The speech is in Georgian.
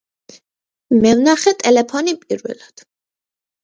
მე ვნახე ტელეფონი პირველად